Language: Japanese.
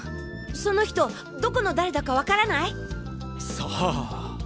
その人どこの誰だかわからない？さあ。